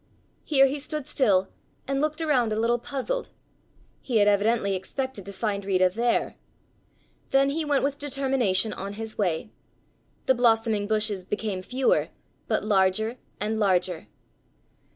Here he stood still and looked around a little puzzled. He had evidently expected to find Rita there. Then he went with determination on his way. The blossoming bushes became fewer, but larger and larger.